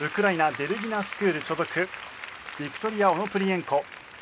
デルギナ・スクール所属ビクトリア・オノプリエンコ。